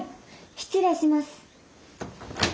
・失礼します。